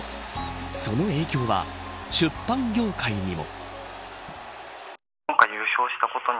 その影響は、出版業界にも。